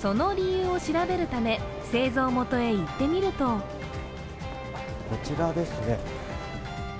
その理由を調べるため、製造元へ行ってみるとこちらですね。